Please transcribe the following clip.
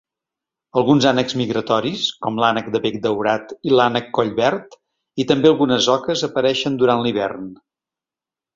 Alguns ànecs migratoris, com l'ànec de bec daurat i l'ànec collverd i també algunes oques apareixen durant l'hivern.